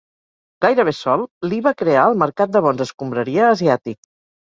Gairebé sol, Lee va crear el mercat de bons escombraria asiàtic.